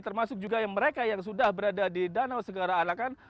termasuk juga yang mereka yang sudah berada di danau segara anakan